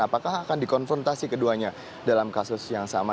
apakah akan dikonfrontasi keduanya dalam kasus yang sama